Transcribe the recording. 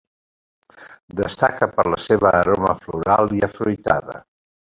Destaca per la seva aroma floral i afruitada.